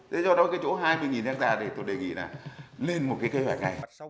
để do đó cái chỗ hai mươi ha để tôi đề nghị là lên một cái kế hoạch này